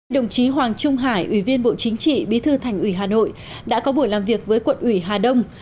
đồng chí hoàng trung hải ủy viên bộ chính trị bí thư thành ủy hà nội đã có buổi làm việc với quận ủy hà đông